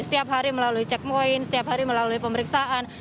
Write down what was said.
setiap hari melalui check point setiap hari melalui pemeriksaan